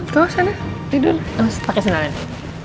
kau sana tidur pake senangannya